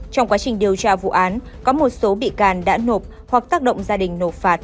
trong quá trình điều tra vụ án có một số bị can đã nộp hoặc tác động gia đình nộp phạt